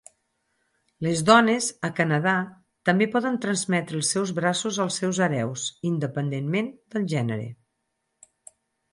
Les dones a Canadà també poden transmetre els seus braços als seus hereus, independentment del gènere.